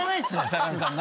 坂上さん。